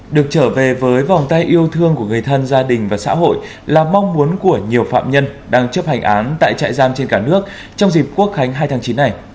được trở về với vòng tay yêu thương của người thân gia đình và xã hội là mong muốn của nhiều phạm nhân đang chấp hành án tại trại giam trên cả nước trong dịp quốc khánh hai tháng chín này